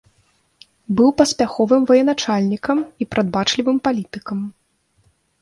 Быў паспяховым военачальнікам і прадбачлівым палітыкам.